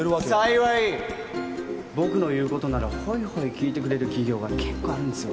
幸い僕の言うことならホイホイ聞いてくれる企業が結構あるんですよ。